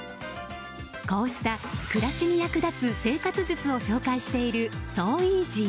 こうした暮らしに役立つ生活術を紹介しているｓｏｅａｓｙ。